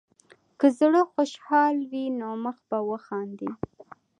که زړه خوشحال وي، نو مخ به وخاندي.